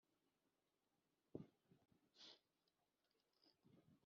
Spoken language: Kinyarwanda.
ahubwo hapfuye Amunoni wenyine.